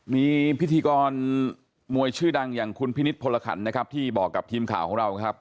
มีพิธีกรมวยชื่อดังอย่างคุณพินิษฐพลขันนะครับที่บอกกับทีมข่าวของเราครับ